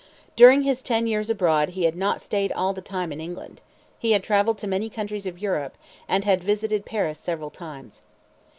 During his ten years abroad he had not stayed all the time in England. He had traveled in many countries of Europe, and had visited Paris several times.